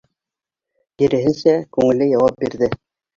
Киреһенсә, күңелле яуап бирҙе: